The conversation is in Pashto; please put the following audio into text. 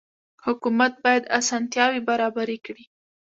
حکومت باید اسانتیاوې برابرې کړي.